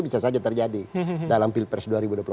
bisa saja terjadi dalam pilpres dua ribu dua puluh empat